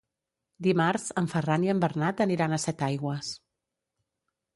Dimarts en Ferran i en Bernat aniran a Setaigües.